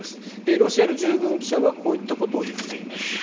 ロシアの従軍記者はこういったことを言っています。